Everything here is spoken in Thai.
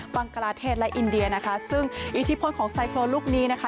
บังกลาเทศและอินเดียนะคะซึ่งอิทธิพลของไซโครนลูกนี้นะคะ